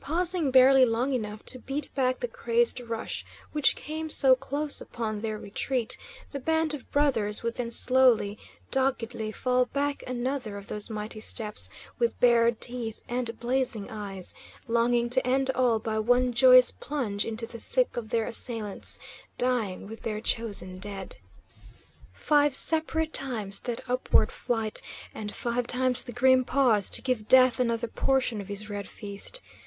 Pausing barely long enough to beat back the crazed rush which came so close upon their retreat, the band of brothers would then slowly, doggedly fall back another of those mighty steps, with bared teeth and blazing eyes, longing to end all by one joyous plunge into the thick of their assailants, dying with their chosen dead! Five separate times that upward flight, and five times the grim pause to give death another portion of his red feast.